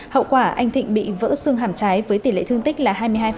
hậu quả anh thịnh bị vỡ xương hàm trái với tỷ lệ thương tích là hai mươi hai